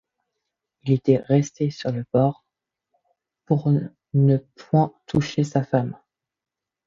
Il était resté sur le bord, pour ne point toucher sa femme.